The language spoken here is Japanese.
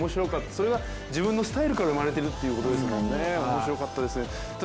それが、自分のスタイルから生まれてるってことですもんね面白かったですね。